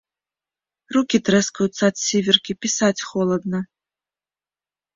Рукі трэскаюцца ад сіверкі, пісаць холадна.